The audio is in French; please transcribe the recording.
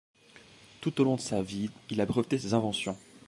Tout au long de sa vie, il a breveté ses inventions.